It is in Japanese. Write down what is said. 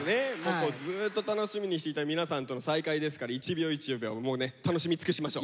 ずっと楽しみにしていた皆さんとの再会ですから一秒一秒もうね楽しみ尽くしましょう。